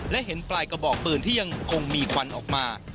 และเห็นปลายกระบอกปืนที่ยังคงมีควันออกมา